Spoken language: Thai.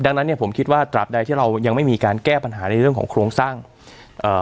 ดังนั้นเนี้ยผมคิดว่าตราบใดที่เรายังไม่มีการแก้ปัญหาในเรื่องของโครงสร้างเอ่อ